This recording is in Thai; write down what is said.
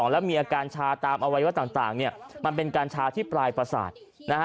และมีการช้าตามอะไรว่าต่างมันเป็นการช้าที่ปลายประศาจ